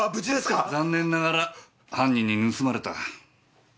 残念ながら犯人に盗まれた。